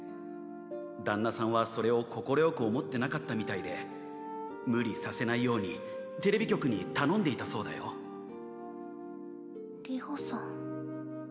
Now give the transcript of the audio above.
旦那さんはそれを快く思ってなかったみたいで無理させないようにテレビ局に頼んでいたそうだよ流星さん。